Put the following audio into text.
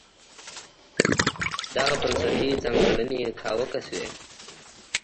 دغه بنسټي ځانګړنې کاواکه شوې.